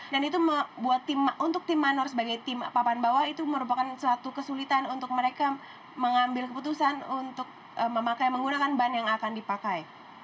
dan itu untuk tim manor sebagai tim papan bawah itu merupakan suatu kesulitan untuk mereka mengambil keputusan untuk menggunakan ban yang akan dipakai